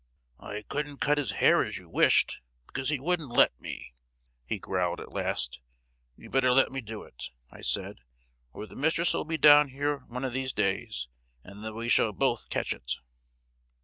"I couldn't cut his hair as you wished, because he wouldn't let me!" he growled at last. " 'You'd better let me do it!'—I said, 'or the mistress'll be down one of these days, and then we shall both catch it!